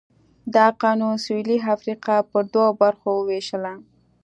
دا قانون سوېلي افریقا پر دوو برخو ووېشله.